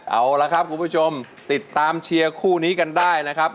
เอาละครับคุณผู้ชมติดตามเชียร์คู่นี้กันได้นะครับ